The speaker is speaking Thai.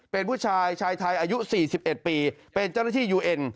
เป็นผู้ชายชายไทยอายุ๔๑ปีเป็นเจ้าหน้าที่ยูเอ็น